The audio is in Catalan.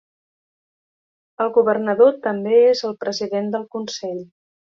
El Governador també és el president del consell.